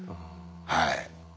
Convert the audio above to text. はい。